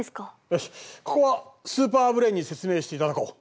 よしここはスーパーブレーンに説明していただこう。